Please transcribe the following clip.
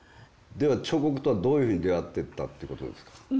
では彫刻とはどういうふうに出会ってったってことですか？